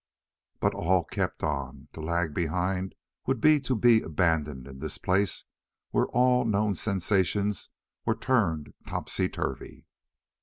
But all kept on. To lag behind would be to be abandoned in this place where all known sensations were turned topsy turvy.